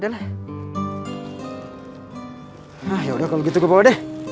nah ya udah kalau gitu gue bawa deh